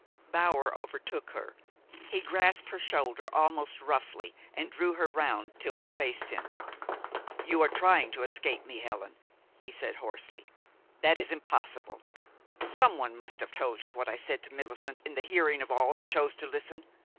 Bower overtook her. He grasped her shoulder almost roughly, and drew her round till she faced him. "You are trying to escape me, Helen!" he said hoarsely. "That is impossible. Someone must have told you what I said to Millicent in the hearing of all who chose to listen.